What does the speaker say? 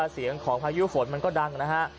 เสียงของพายุฝนมันก็ดังนะฮะ